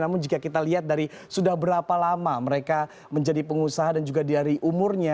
namun jika kita lihat dari sudah berapa lama mereka menjadi pengusaha dan juga dari umurnya